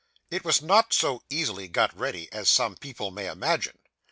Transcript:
It was not so easily got ready as some people may imagine.